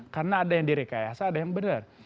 karena ada yang direkayasa ada yang benar